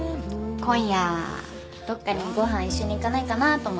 今夜どっかにご飯一緒に行かないかなと思って。